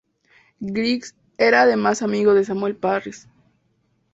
Griggs era además amigo de Samuel Parris.